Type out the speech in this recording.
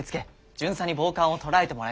巡査に暴漢を捕らえてもらいます。